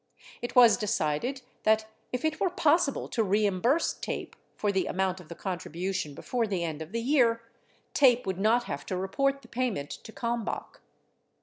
It was decided that if it were possible to reimburse TAPE for the amount of the contribution before the end of the year, TAPE would not have to report the payment to Kalmbach.